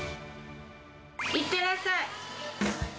いってらっしゃい。